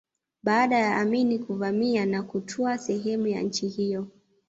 Baada ya Amin kuvamia na kutwaa sehemu ya nchi hiyo